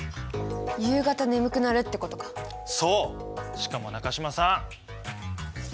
しかも中島さん